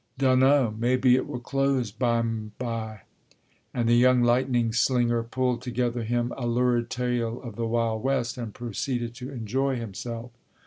"Dunno, maybe it will close bime by." And the young lightning slinger pulled towards him a lurid tale of the Wild West, and proceeded to enjoy himself.